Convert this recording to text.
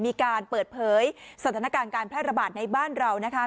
มีการเปิดเผยสถานการณ์การแพร่ระบาดในบ้านเรานะคะ